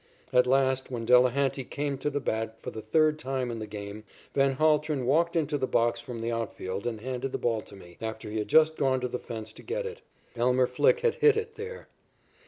At last, when Delehanty came to the bat for the third time in the game, Van Haltren walked into the box from the outfield and handed the ball to me, after he had just gone to the fence to get it. Elmer Flick had hit it there.